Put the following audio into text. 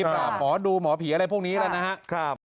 กราบหมอดูหมอผีอะไรพวกนี้แล้วนะครับ